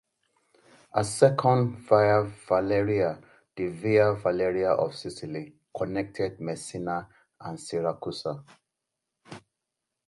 A second Via Valeria, the Via Valeria of Sicily, connected Messina and Siracusa.